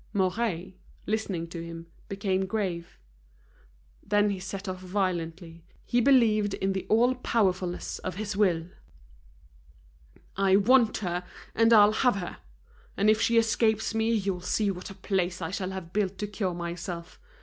Mouret, listening to him, became grave. Then he set off violently, he believed in the all powerfulness of his will. "I want her, and I'll have her! And if she escapes me, you'll see what a place I shall have built to cure myself.